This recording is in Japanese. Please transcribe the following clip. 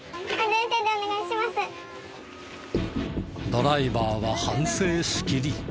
ドライバーは反省しきり。